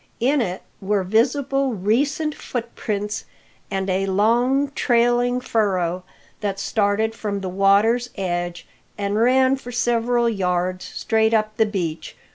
In it were visible recent footprints, and a long trailing furrow that started from the water's edge and ran for several yards straight up the beach.